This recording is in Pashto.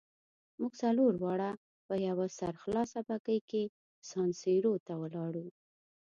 موږ څلور واړه په یوه سرخلاصه بګۍ کې سان سیرو ته ولاړو.